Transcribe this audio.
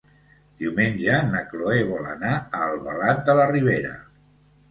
Diumenge na Cloè vol anar a Albalat de la Ribera.